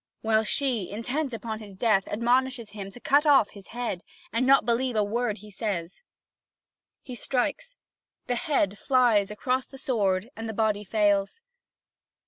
While she, intent upon his death, admonishes him to cut off his head, and not to believe a word he says. He strikes: the head flies across the sward and the body fails.